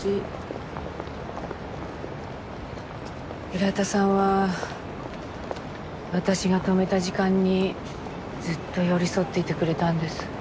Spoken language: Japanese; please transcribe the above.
浦田さんは私が止めた時間にずっと寄り添っていてくれたんです。